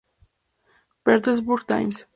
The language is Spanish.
Petersburg Times".